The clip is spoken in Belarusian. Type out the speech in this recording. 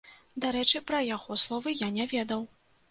Дарэчы, пра яго словы я не ведаў.